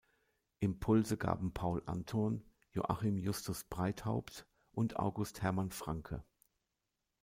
Impulse gaben Paul Anton, Joachim Justus Breithaupt und August Hermann Francke.